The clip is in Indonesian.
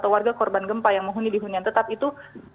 warga korban gempa yang menghuni di hunian tetap itu